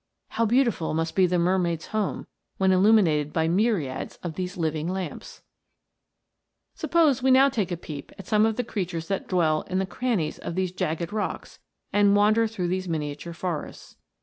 How beautiful must be the mermaid's home, when illuminated by myriads of these living lamps ! Suppose we now take a peep at some of the creatures that dwell in the crannies of these jagged rocks and wander through these miniature forests.